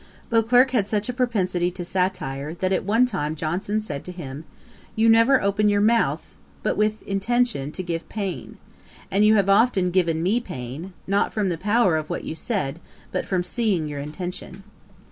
Beauclerk had such a propensity to satire, that at one time Johnson said to him, 'You never open your mouth but with intention to give pain; and you have often given me pain, not from the power of what you said, but from seeing your intention.'